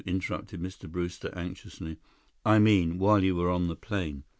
interrupted Mr. Brewster anxiously. "I mean, while you were on the plane?"